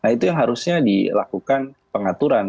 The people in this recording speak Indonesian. itu yang harusnya dilakukan pengaturan